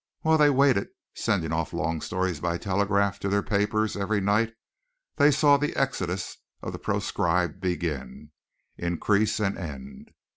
While they waited, sending off long stories by telegraph to their papers every night, they saw the exodus of the proscribed begin, increase, and end.